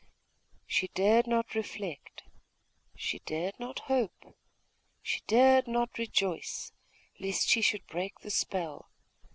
She dared not reflect, she dared not hope, she dared not rejoice, lest she should break the spell....